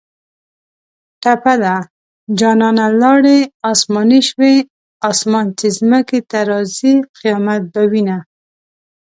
ټپه ده: جانانه لاړې اسماني شوې اسمان چې ځمکې ته راځي قیامت به وینه